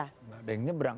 tidak ada yang menyebrang